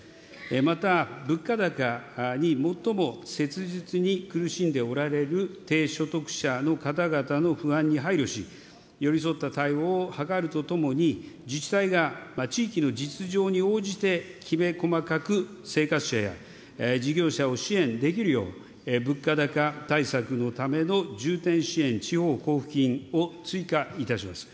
また物価高に最も切実に苦しんでおられる低所得者の方々の不安に配慮し、寄り添った対応を図るとともに、自治体が地域の実情に応じてきめ細かく生活者や事業者を支援できるよう、物価高対策のための重点支援地方交付金を追加いたします。